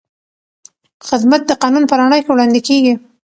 خدمت د قانون په رڼا کې وړاندې کېږي.